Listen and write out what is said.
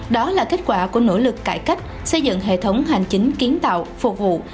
đó là kết quả của nỗ lực cải cách xây dựng hệ thống hành chính kiến tạo phục vụ